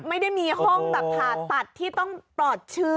ไม่ได้มีห้องแบบผ่าตัดที่ต้องปลอดเชื้อ